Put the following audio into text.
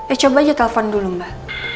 eh coba aja telpon dulu mbak